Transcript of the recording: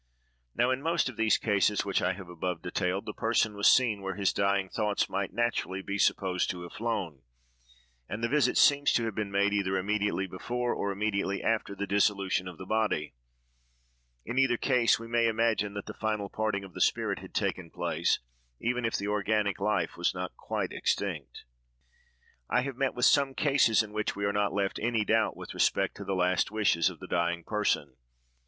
Now, in most of these cases which I have above detailed, the person was seen where his dying thoughts might naturally be supposed to have flown, and the visit seems to have been made either immediately before or immediately after the dissolution of the body: in either case, we may imagine that the final parting of the spirit had taken place, even if the organic life was not quite extinct. I have met with some cases in which we are not left in any doubt with respect to the last wishes of the dying person.